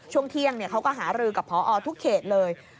ช่วงเที่ยงเขาก็หารือกับพอทุกเขตเลย